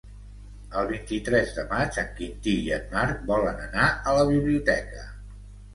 El vint-i-tres de maig en Quintí i en Marc volen anar a la biblioteca.